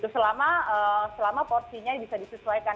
selama porsinya bisa disesuaikan